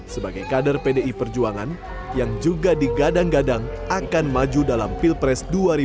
sebagai kader pdi perjuangan yang juga digadang gadang akan maju dalam pilpres dua ribu dua puluh